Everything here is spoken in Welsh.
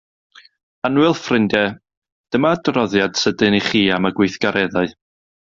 Annwyl ffrindie, dyma adroddiad sydyn i chi am y gweithgareddau.